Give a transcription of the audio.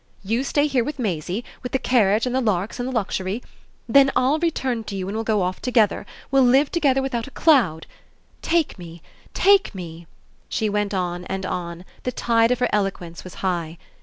You stay here with Maisie, with the carriage and the larks and the luxury; then I'll return to you and we'll go off together we'll live together without a cloud. Take me, take me," she went on and on the tide of her eloquence was high.